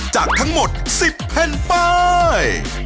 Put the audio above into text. จากทั้งหมด๑๐แผ่นป้าย